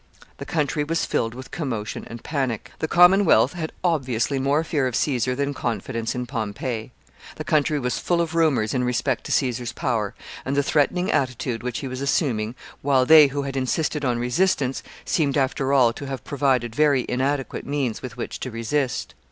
The country was filled with commotion and panic. The Commonwealth had obviously more fear of Caesar than confidence in Pompey. The country was full of rumors in respect to Caesar's power, and the threatening attitude which he was assuming, while they who had insisted on resistance seemed, after all, to have provided very inadequate means with which to resist.